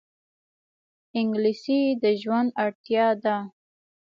انګلیسي د ژوند اړتیا ده